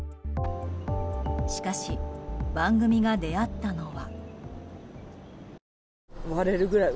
しかし、番組が出会ったのは。